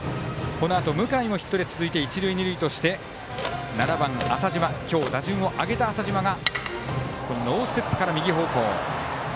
このあと向井もヒットで続いて一、二塁として今日打順を上げた７番、浅嶋がノーステップから右方向。